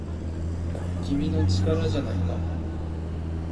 君の力じゃないか